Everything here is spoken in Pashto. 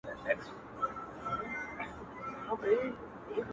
دا يم اوس هم يم او له مرگه وروسته بيا يمه زه,